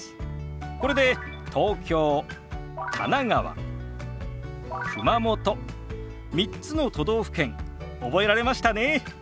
これで「東京」「神奈川」「熊本」３つの都道府県覚えられましたね。